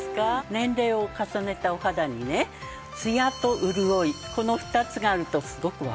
年齢を重ねたお肌にねツヤと潤いこの２つがあるとすごく若々しく見えるんですよ。